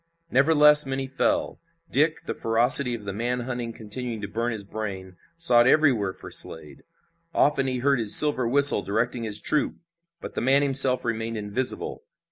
Nevertheless many fell. Dick, the ferocity of the man hunt continuing to burn his brain, sought everywhere for Slade. Often he heard his silver whistle directing his troop, but the man himself remained invisible.